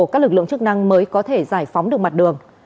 các lực lượng chức năng mới có thể giải phóng được mặt đường